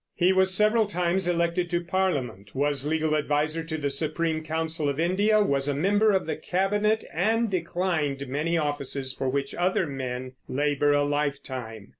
He was several times elected to Parliament, was legal adviser to the Supreme Council of India, was a member of the cabinet, and declined many offices for which other men labor a lifetime.